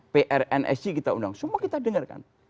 prnsg kita undang semua kita dengarkan